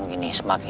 miskin secara adil